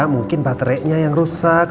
mungkin baterainya yang rusak